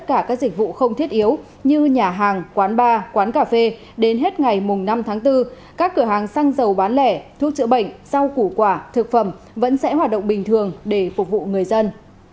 các dịch vụ không thiết yếu như nhà hàng quán bar quán cà phê đến hết ngày năm tháng bốn các cửa hàng xăng dầu bán lẻ thuốc chữa bệnh rau củ quả thực phẩm vẫn sẽ hoạt động bình thường để phục vụ người dân